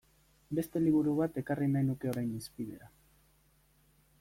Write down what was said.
Beste liburu bat ekarri nahi nuke orain hizpidera.